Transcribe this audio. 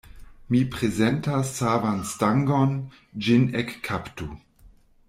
Mi prezentas savan stangon; ĝin ekkaptu.